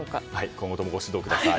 今後ともご指導ください。